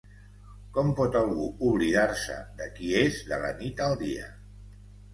Com pot algú oblidar-se de qui és de la nit al dia?